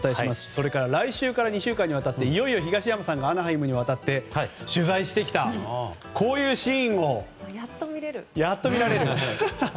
それから、来週から２週間にわたっていよいよ東山さんがアナハイムにわたって取材してきた、こういうシーンをやっと見られる！